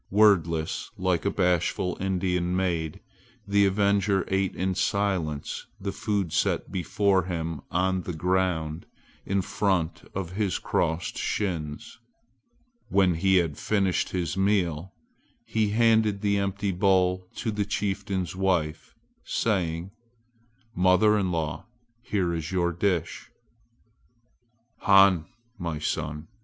Wordless, like a bashful Indian maid, the avenger ate in silence the food set before him on the ground in front of his crossed shins. When he had finished his meal he handed the empty bowl to the chieftain's wife, saying, "Mother in law, here is your dish!" "Han, my son!"